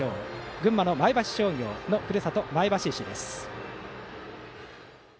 群馬の前橋商業のふるさと前橋市です。